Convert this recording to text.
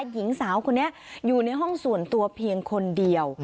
หญิงสาวคนนี้อยู่ในห้องส่วนตัวเพียงคนเดียว